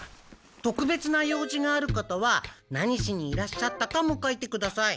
特別な用事がある方は何しにいらっしゃったかも書いてください。